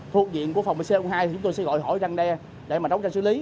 thuộc diện của phòng c hai chúng tôi sẽ gọi hỏi răng đe để đóng trang xử lý